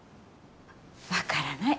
分からない。